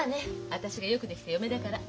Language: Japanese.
私がよくできた嫁だから。